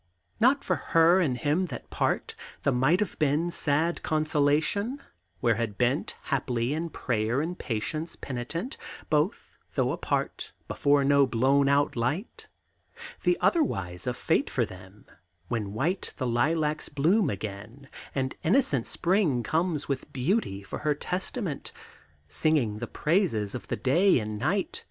not for her and him that part; the Might Have Been's sad consolation; where had bent, Haply, in prayer and patience penitent, Both, though apart, before no blown out light. The otherwise of fate for them, when white The lilacs bloom again, and, innocent, Spring comes with beauty for her testament, Singing the praises of the day and night.